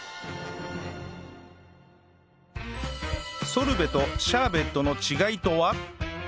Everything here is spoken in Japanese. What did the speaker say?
ソルベとシャーベットの違いとは？